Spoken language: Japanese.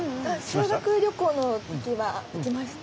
修学旅行の時は行きました。